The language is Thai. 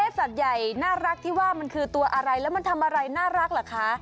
สัตว์ใหญ่น่ารักที่ว่ามันคือตัวอะไรแล้วมันทำอะไรน่ารักเหรอคะ